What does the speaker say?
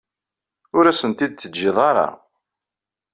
Ur asen-t-id-teǧǧiḍ ara.